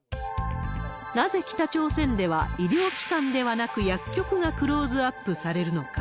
なぜ北朝鮮では、医療機関ではなく、薬局がクローズアップされるのか。